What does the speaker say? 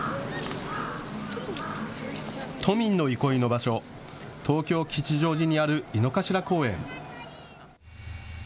都民の憩いの場所、東京吉祥寺にある井の頭公園。